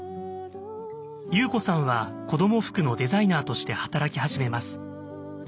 裕子さんは子ども服のデザイナーとして働き始めます。